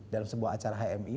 dalam sebuah acara hmi